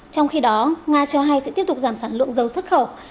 trong khi đó nga cho hay sẽ tiếp tục giảm sản lượng dầu xuất khẩu